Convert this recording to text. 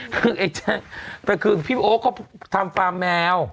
คือไอ้แจ๊คแต่คือพี่โอ๊คเขาทำฟาร์มแมว